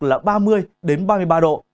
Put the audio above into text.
là ba mươi ba mươi ba độ